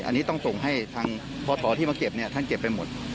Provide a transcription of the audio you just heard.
อันนี้ต้องตรงให้พอที่มาเก็บท่านเก็บไปหมด